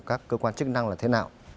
của các cơ quan chức năng là thế nào